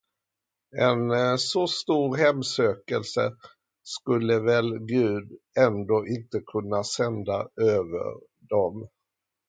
En så stor hemsökelse skulle väl Gud ändå inte sända över dem.